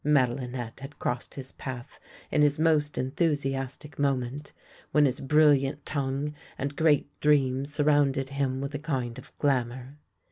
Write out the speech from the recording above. Madelinette had crossed his path in his most enthusiastic moment, when his brilliant tongue and great dreams surrounded him. with a kind of glamour.